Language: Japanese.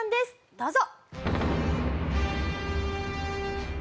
どうぞ！